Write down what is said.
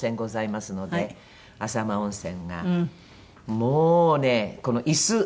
もうねこの椅子。